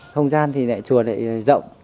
không gian thì lại chùa lại rộng